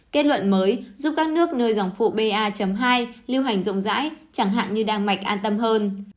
kết luận mới giúp các nước nơi dòng phụ ba hai lưu hành rộng rãi chẳng hạn như đan mạch an tâm hơn